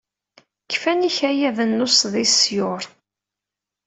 Kfan yikayaden n usḍisyur.